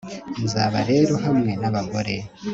Nzaba rero hamwe nabagore